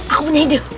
aku punya ide